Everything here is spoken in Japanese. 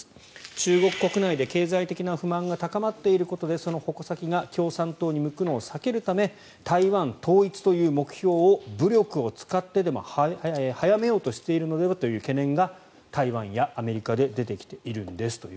中国国内で経済的な不満が高まっていることでその矛先が共産党に向くのを避けるため台湾統一という目標を武力を使ってでも早めようとしているのではという懸念が台湾やアメリカで出てきているんですと。